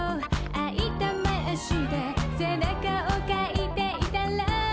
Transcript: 「あいた前足で背中をカイていたら」